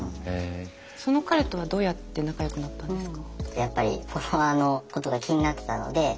その彼とはどうやって仲よくなったんですか？